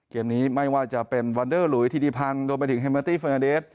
เกมนี้ไม่ว่าจะเป็นวันเดอร์หลุยธิติพันธ์รวมไปถึงเมตี้เฟอร์นาเดส